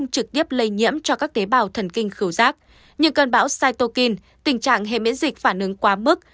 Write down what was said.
được tiếp lây nhiễm cho các tế bào thần kinh khứu giác nhưng cơn bão cytokine tình trạng hệ miễn dịch phản ứng quá mức